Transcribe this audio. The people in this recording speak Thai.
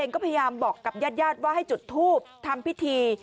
ก็พยายามบอกกับญาติว่าให้จุดทูบทำพิธี